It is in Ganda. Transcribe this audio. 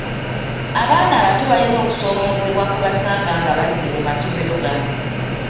Abaana abato balina okusoomoozebwa kwe basanga nga bazze mu masomero gano.